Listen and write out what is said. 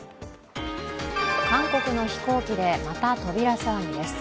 韓国の飛行機でまた扉騒ぎです。